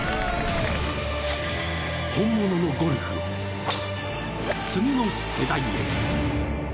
本物のゴルフを次の世代へ。